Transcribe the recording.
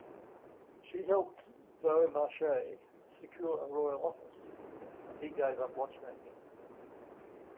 She helped Beaumarchais secure a royal office, and he gave up watchmaking.